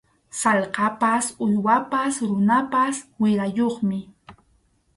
Sallqapas uywapas runapas wirayuqmi.